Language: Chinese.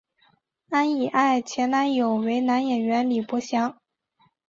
安苡爱前男友为男演员李博翔。